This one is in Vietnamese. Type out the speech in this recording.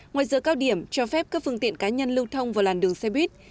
ngoài giờ cao điểm cho phép các phương tiện cá nhân lưu thông vào làn đường xe buýt